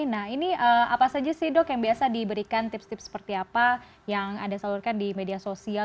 nah ini apa saja sih dok yang biasa diberikan tips tips seperti apa yang anda salurkan di media sosial